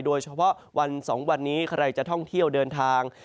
โดยเฉพาะวัน๒วันนี้ใครจะท่องเที่ยวเดินทาง